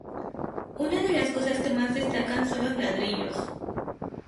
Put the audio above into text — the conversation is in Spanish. Una de las cosas que más destacan son los ladrillos.